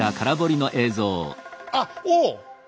あっおお！